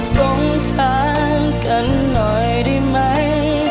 สงสารกันหน่อยได้ไหม